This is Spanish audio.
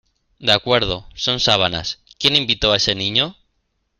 De acuerdo, son sábanas. ¿ quién invitó a ese niño?